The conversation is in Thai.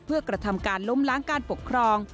เพื่อกระทำการล้มล้างการปกครอง